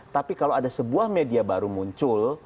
tapi kalau ada sebuah media baru muncul